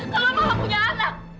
kalau mama punya anak